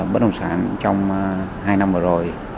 bất động sản trong hai năm vừa rồi